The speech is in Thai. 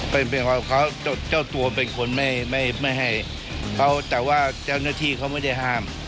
เป็นความของเขาเจ้าตัวเป็นคนไม่ให้เขาแต่ว่าเจ้าหน้าที่เขาไม่ได้ห้าม